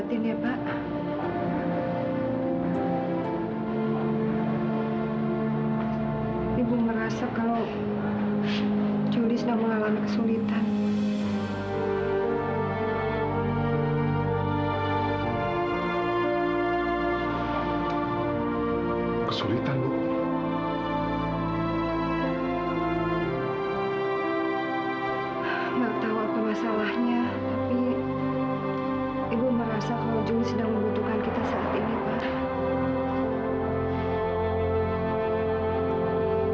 tapi ibu merasa kalau juli sedang membutuhkan kita saat ini pak